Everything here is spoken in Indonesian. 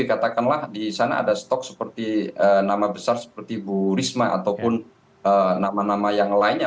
katakanlah di sana ada stok seperti nama besar seperti bu risma ataupun nama nama yang lainnya